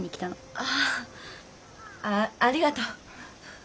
ああありがとう。